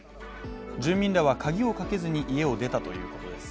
住民らは鍵をかけずに家を出たということです